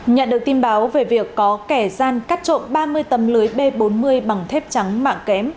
nhận được tin báo về việc có kẻ gian cắt trộm ba mươi tấm lưới b bốn mươi bằng thép trắng mạng kém